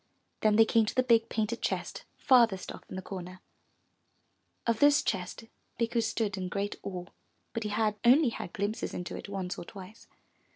Then they came to the big painted chest farthest off in the corner. Of this chest Bikku stood in great awe, but he had only had glimpses into it once or twice.